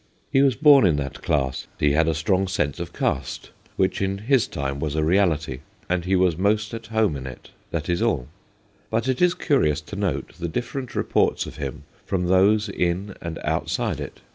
He was born in that class, he had a strong sense of caste, which in his time was a reality, and he was most at home in it : that is all. But it is curious to note the different reports of him from those in and outside it.